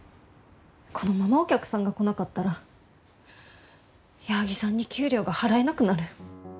このままお客さんが来なかったら矢作さんに給料が払えなくなる。